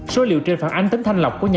số liệu trên phản ánh tính thanh lọc của nhà